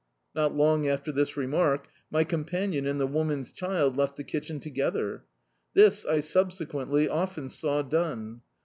Not long after this remark my companion and the woman's child left the kitchen together. This I, subsequently, often saw done.